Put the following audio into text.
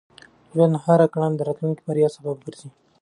د ژوند هره کړنه د راتلونکي بریا سبب ګرځي.